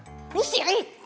ini si rik